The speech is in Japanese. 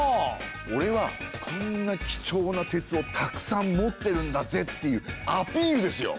おれはこんな貴重な鉄をたくさん持ってるんだぜっていうアピールですよ！